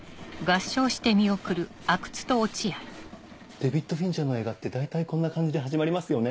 デヴィット・フィンチャーの映画って大体こんな感じで始まりますよね。